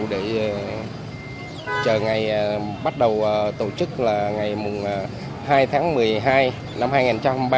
để chờ ngày bắt đầu tổ chức là ngày hai tháng một mươi hai năm hai nghìn hai mươi ba